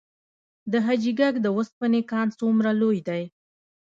د حاجي ګک د وسپنې کان څومره لوی دی؟